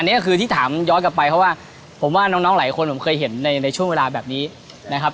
อันนี้ก็คือที่ถามย้อนกลับไปเพราะว่าผมว่าน้องหลายคนผมเคยเห็นในช่วงเวลาแบบนี้นะครับ